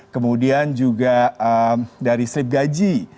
kemudian juga dari slip gaji